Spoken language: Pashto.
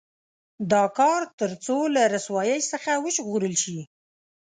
دا کار تر څو له رسوایۍ څخه وژغورل شي.